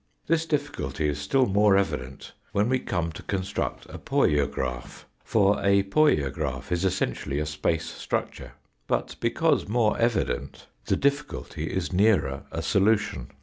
This difficulty is still more evident when we come to construct a poiograph, for a poiograph is essentially a space structure. But because more evident the difficulty is nearer a solution.